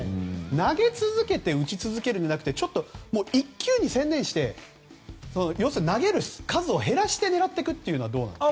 投げ続けて打ち続けるんじゃなくて１球に専念して要するに投げる数を減らして狙っていくというのはどうですか？